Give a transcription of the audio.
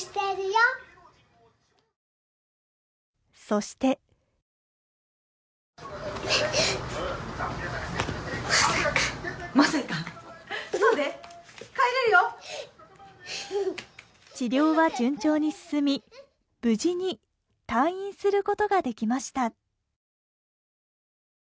そして治療は順調に進み無事に退院することができました。